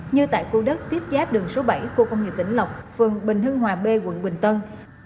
như tại khu đất tiếp giáp đường số bảy khu công nghiệp tỉnh lộc phường bình hưng hòa b quận bình tân